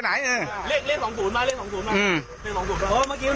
หลบซิ